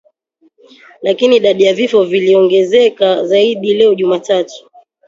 Lakini idadi ya vifo iliongezeka zaidi leo Jumatatu